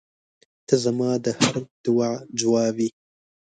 • ته زما د هر دعا جواب یې.